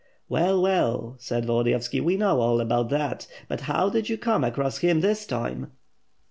"Well, well," said Volodiyovski, "we know all about that. But how did you come across him this time?"